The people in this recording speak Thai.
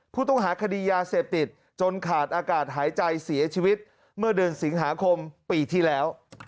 ผู้ต้องหาคดียาเสพติดจนขาดอากาศหายใจเสียชีวิตเมื่อเดือนสิงหาคมปีที่แล้ว